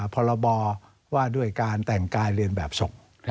พรบว่าด้วยการแต่งกายเรียนแบบศพ